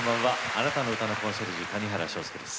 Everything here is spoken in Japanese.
あなたの歌のコンシェルジュ谷原章介です。